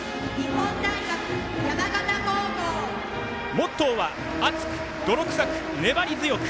モットーは「熱く、泥臭く、粘り強く」。